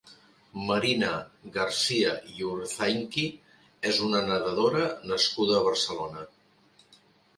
Marina Garcia i Urzainqui és una nedadora nascuda a Barcelona.